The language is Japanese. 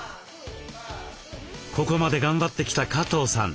ここまで頑張ってきた加藤さん。